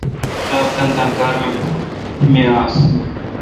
سواب تان تان کار می آس